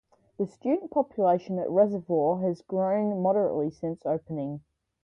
The student population at Reservoir has grown moderately since opening.